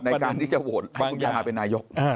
ในการที่จะโวท์ให้คุณพี่ธาเป็นนายก